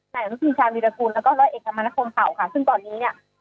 นายอนุทินชาวิรกุลแล้วก็ร้อยเอกธรรมนคมเผ่าค่ะซึ่งตอนนี้เนี่ย